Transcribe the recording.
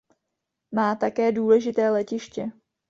Má také důležité letiště.